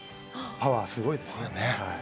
パワーすごいですねはい。